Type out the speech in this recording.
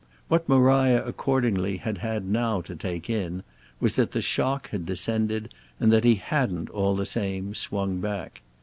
What Maria accordingly had had now to take in was that the shock had descended and that he hadn't, all the same, swung back.